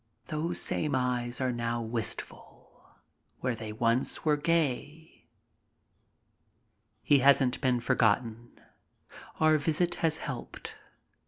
Those same eyes are now wistful, where they once were gay. He hasn't been forgotten. Our visit has helped.